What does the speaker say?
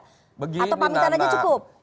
atau pamitan saja cukup